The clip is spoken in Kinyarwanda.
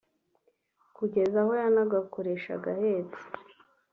kugeza aho yanagakoresha ahetse